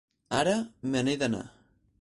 Ara me n'he d'anar.